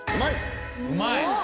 うまい！